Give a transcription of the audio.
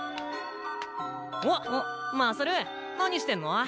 あっ勝何してんの？